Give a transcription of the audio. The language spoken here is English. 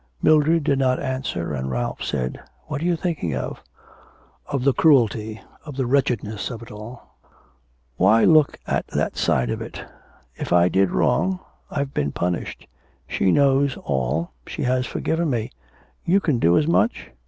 Mildred did not answer and Ralph said: 'What are you thinking of?' 'Of the cruelty, of the wretchedness of it all.' 'Why look at that side of it? If I did wrong, I've been punished. She knows all. She has forgiven me. You can do as much?